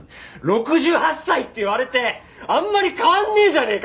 ６８歳って言われてあんまり変わんねえじゃねえかってさ。